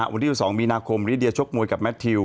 วันที่สองมีนาคมริเดียชวบมวยกับแมทิ